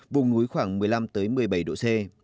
vùng núi khoảng một mươi năm một mươi bảy độ c